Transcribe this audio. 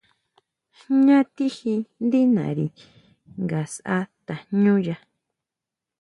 ¿Jñá tijí ndí nari nga sʼá tajñúya?